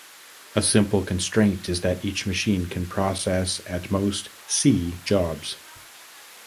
A simple constraint is that each machine can process at most "c" jobs.